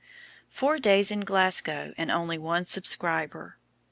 Four days in Glasgow and only one subscriber.